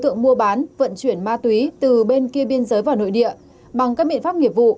tượng mua bán vận chuyển ma túy từ bên kia biên giới vào nội địa bằng các biện pháp nghiệp vụ